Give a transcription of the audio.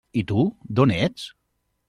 I tu, d'on ets?